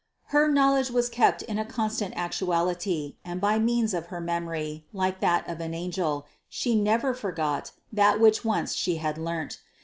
Her knowledge was kept in a constant actuality, and by means of her memory, like that of an angel, She never forgot, that which once She had learnt.